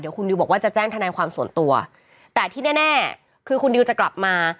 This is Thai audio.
คุณดิวบอกว่าจะแจ้งทนายความส่วนตัวแต่ที่แน่คือคุณดิวจะกลับมา